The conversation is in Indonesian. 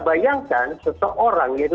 bayangkan seseorang yaitu